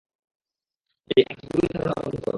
এই আজগুবি ধারনা বন্ধ করো।